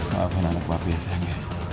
maafin anakmu apa ya sayang ya